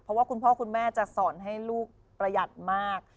เพราะว่าคุณพ่อคุณแม่จะสอนให้ลูกประหยัดมาก